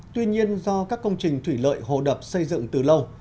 tuy nhiên do các công trình thủy lợi hồ đập xây dựng từ lâu